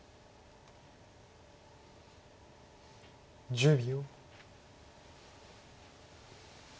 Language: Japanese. １０秒。